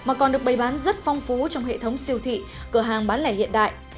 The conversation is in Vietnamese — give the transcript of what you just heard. mà còn được bày bán rất phong phú trong hệ thống siêu thị cửa hàng bán lẻ hiện đại